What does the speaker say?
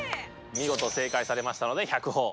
見事正解されましたので１００ほぉ。